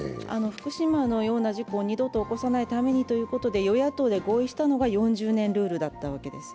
福島のような事故を二度と起こさないためにということで与野党で合意したのが４０年ルールだったわけです。